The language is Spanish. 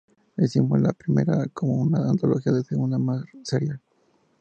Hicimos la primera como una antología y la segunda más serial.